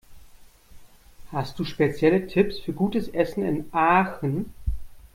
Hast du spezielle Tipps für gutes Essen in Aachen?